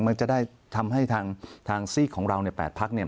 มันจะได้ทำให้ทางซีกของเราในแปดพัก